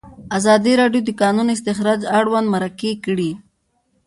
ازادي راډیو د د کانونو استخراج اړوند مرکې کړي.